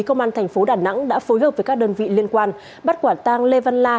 công an thành phố đà nẵng đã phối hợp với các đơn vị liên quan bắt quả tang lê văn la